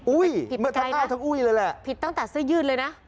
ผิดเมื่อทั้งอ้าวทั้งอุ้ยเลยแหละผิดตั้งแต่เสื้อยืดเลยนะ